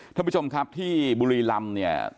ท่านผู้ชมครับที่บุรีรำเนี่ย